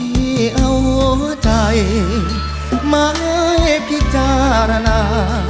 ที่เอาใจมาให้พิจารณา